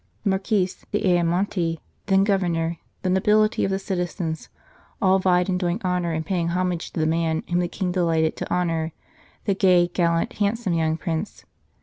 The Marquis d Ayamonte, then Governor, the nobility, the citizens, all vied in doing honour and paying homage to the man whom the King delighted to honour, the gay, gallant, handsome young Prince.